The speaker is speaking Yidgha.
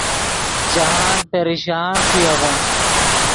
جاہند پریشان ݰوئے اڤن